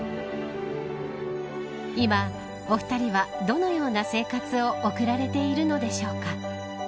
今、お二人はどのような生活を送られているのでしょうか。